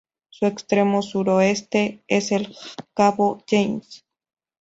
Su extremo suroeste es el cabo James.